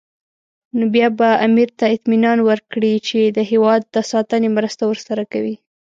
نو بیا به امیر ته اطمینان ورکړي چې د هېواد ساتنې مرسته ورسره کوي.